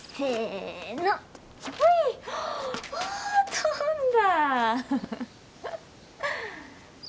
飛んだ！